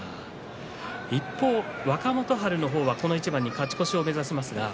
若元春の方はこの一番に勝ち越しを目指します。